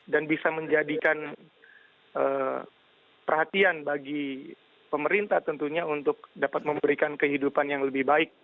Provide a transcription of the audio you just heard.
dan bisa menjadikan perhatian bagi pemerintah tentunya untuk dapat memberikan kehidupan yang lebih baik